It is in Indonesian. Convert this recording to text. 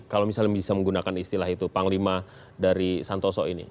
kalau misalnya bisa menggunakan istilah itu panglima dari santoso ini